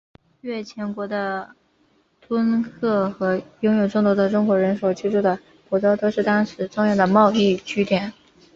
越前国的敦贺和拥有众多中国人所居住的博多都是当时重要的贸易据点。